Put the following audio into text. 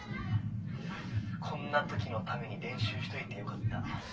「こんな時のために練習しといてよかった」。